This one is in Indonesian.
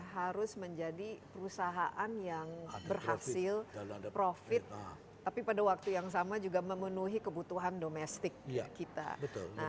harus menjadi perusahaan yang berhasil profit tapi pada waktu yang sama juga memenuhi kebutuhan domestik kita